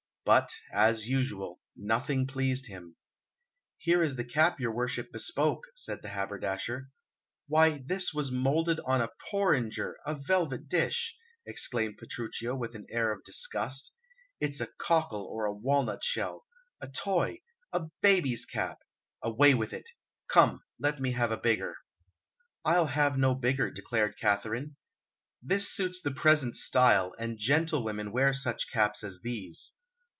But, as usual, nothing pleased him. "Here is the cap your worship bespoke," said the haberdasher. "Why, this was moulded on a porringer, a velvet dish!" exclaimed Petruchio, with an air of disgust. "It's a cockle or a walnut shell a toy, a baby's cap! Away with it! Come, let me have a bigger." "I'll have no bigger," declared Katharine. "This suits the present style, and gentlewomen wear such caps as these."